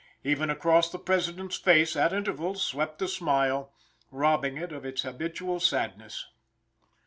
Even across the President's face at intervals swept a smile, robbing it of its habitual sadness.